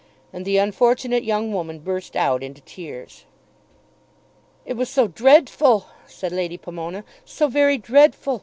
And the unfortunate young woman burst out into tears. "It was so dreadful," said Lady Pomona; "so very dreadful.